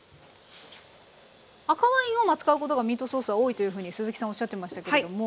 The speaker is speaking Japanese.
赤ワインを使うことがミートソースは多いというふうに鈴木さんおっしゃってましたけれども。